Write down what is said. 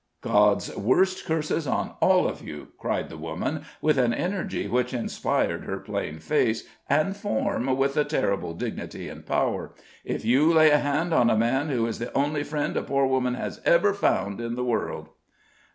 "God's worst curses on all of you!" cried the woman, with an energy which inspired her plain face and form with a terrible dignity and power, "if you lay a hand on a man who is the only friend a poor woman has ever found in the world!"